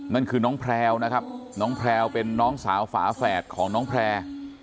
นั่นคือน้องแพลวนะครับน้องแพลวเป็นน้องสาวฝาแฝดของน้องแพร่